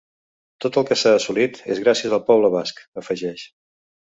Tot el que s’ha assolit és gràcies al poble basc, afegeix.